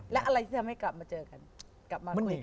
แล้วอะไรที่ทำให้กลับมาเจอกัน